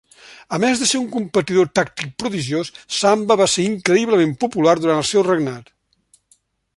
A més de ser un competidor tàctic prodigiós, Zamba va ser increïblement popular durant el seu regnat.